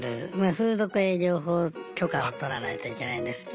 風俗営業法許可を取らないといけないんですけど。